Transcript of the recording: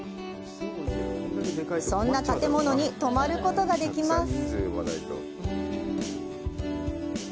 そんな建物に泊まることができます。